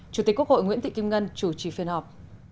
chủ tịch quốc hội nguyễn thị kim ngân chủ trì phiên họp